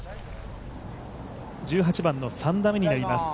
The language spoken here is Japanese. １８番の３打目になります。